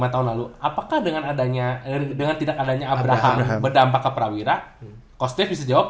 lima tahun lalu apakah dengan adanya dengan tidak adanya abraham berdampak ke prawira costaf bisa jawab